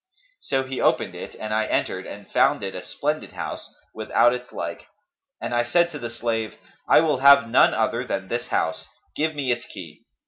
So he opened it and I entered and found it a splendid house, without its like; and I said to the slave, 'I will have none other than this house; give me its key.'